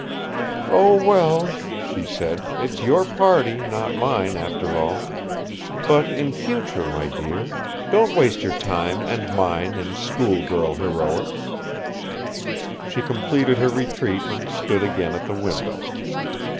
"Oh, well," she said, "it's your party, not mine, after all. But, in future, my dear, don't waste your time and mine in school girl heroics." She completed her retreat and stood again at the window.